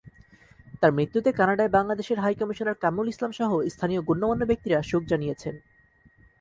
তাঁর মৃত্যুতে কানাডায় বাংলাদেশের হাইকমিশনার কামরুল ইসলামসহ স্থানীয় গণ্যমান্য ব্যক্তিরা শোক জানিয়েছেন।